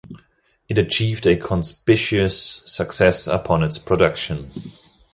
It achieved a conspicuous success upon its production.